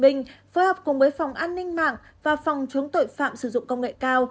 bình phối hợp cùng với phòng an ninh mạng và phòng chống tội phạm sử dụng công nghệ cao